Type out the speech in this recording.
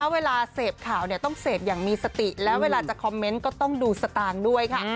เวลาเสพข่าวต้องเสพอย่างมีสติแล้วเวลาจะคอมเมนต์ก็ต้องดูสตางค์ด้วยค่ะ